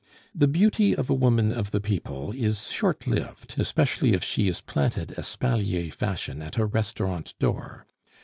The beauty of a woman of the people is short lived, especially if she is planted espalier fashion at a restaurant door.